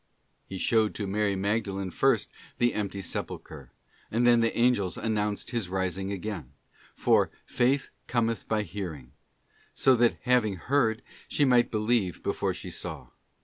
He showed to Mary Magdalen first the empty sepulchre, and then the Angels announced His rising again ; f for 'Faith cometh by hearing,' { so that having heard, she might believe before she saw.